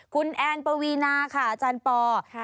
คุณแอนปวีนาค่ะอาจารย์ปอ